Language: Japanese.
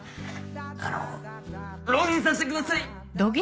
あの浪人させてください！